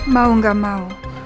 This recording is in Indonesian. mau gak mau